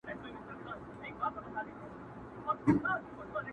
که پر در دي د یار دغه سوال قبلېږي،